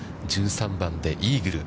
１３番でイーグル。